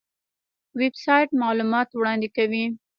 ویب سایټ معلومات وړاندې کوي